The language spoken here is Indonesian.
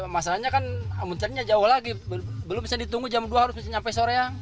masalahnya kan muncannya jauh lagi belum bisa ditunggu jam dua harus sampai sore ya